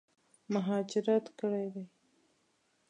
مهاجرت کړی دی.